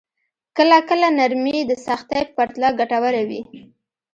کله کله نرمي د سختۍ په پرتله ګټوره وي.